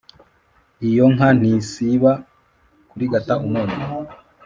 iyo nka ntisiba kurigata umunyu